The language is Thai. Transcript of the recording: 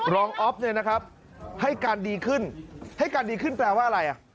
รองอ๊อฟเนี่ยนะครับให้การดีขึ้นให้การดีขึ้นแปลว่าอะไรอ่ะ